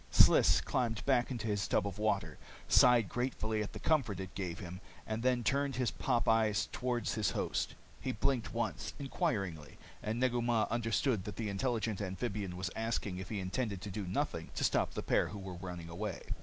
Sliss climbed back into his tub of water, sighed gratefully at the comfort it gave him, and then turned his pop eyes toward his host. He blinked once, inquiringly, and Negu Mah understood that the intelligent amphibian was asking if he intended to do nothing to stop the pair who were running away.